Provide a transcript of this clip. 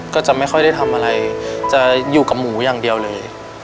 ก็จะไม่ค่อยได้ทำอะไรจะอยู่กับหมูอย่างเดียวเลย